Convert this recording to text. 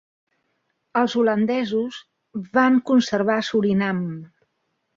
Els holandesos van conservar Surinam.